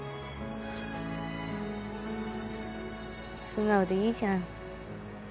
素直でいいじゃん。